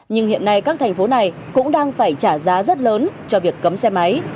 nhưng hiện nay các thành phố này cũng đang phải trả giá rất lớn cho việc cấm xe máy